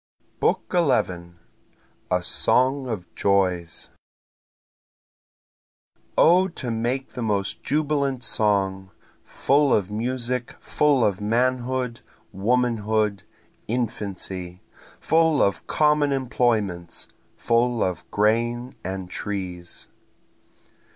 BOOK XI A Song of Joys O to make the most jubilant song! Full of music full of manhood, womanhood, infancy! Full of common employments full of grain and trees.